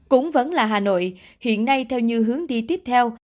cũng vẫn là hà nội hiện nay theo như hướng đi tiếp theo